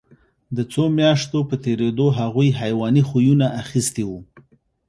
د څو میاشتو په تېرېدو هغوی حیواني خویونه اخیستي وو